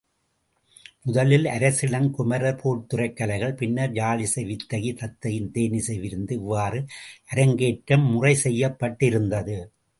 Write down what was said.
முதலில் அரசிளங்குமரர் போர்த்துறைக் கலைகள், பின்னர் யாழிசை வித்தகி தத்தையின் தேனிசை விருந்து இவ்வாறு அரங்கேற்றம் முறை செய்யப்பட்டிருந்தது.